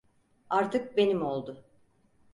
Artık benim oldu.